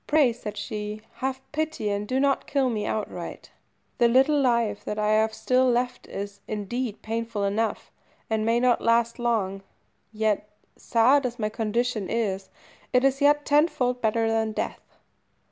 "Pray," said she, "have pity, and do not kill me outright. The little life that I have still left is, indeed, painful enough, and may not last long; yet, sad as my condition is, it is yet tenfold better than death."